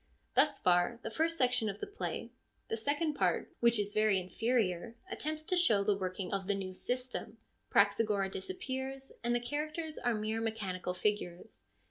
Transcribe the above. Thus far the first section of the play. The second part, which is very inferior, attempts to show the working of the new system. Praxagora disappears, and the characters are mere mechanical figures.